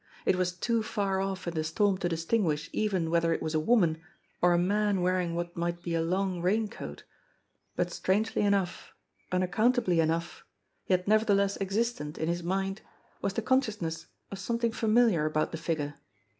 It was too far off in the storm to distinguish even whether it was a woman, or a man wearing what might be a long rain coat, but strangely enough, unaccountably enough, yet never theless existent in h : s mind was the consciousness of some thing familiar about the figure.